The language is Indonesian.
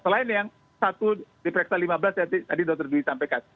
selain yang satu di preksa lima belas yang tadi dr dwi sampaikan